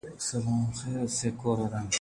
زه به اوږده موده اوبه څښم